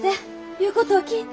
言うことを聞いて。